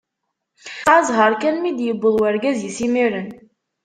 Tesεa ẓẓher kan mi d-yewweḍ urgaz-is imir-en.